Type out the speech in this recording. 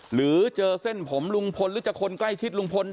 หรือเจอเส้นผมลุงพลหรือจะคนใกล้ชิดลุงพล